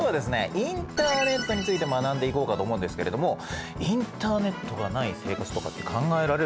インターネットについて学んでいこうかと思うんですけれどもインターネットがない生活とかって考えられる？